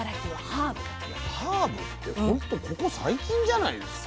ハーブってほんとここ最近じゃないですか？